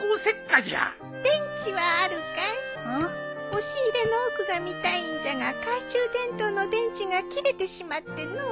押し入れの奥が見たいんじゃが懐中電灯の電池が切れてしまってのう。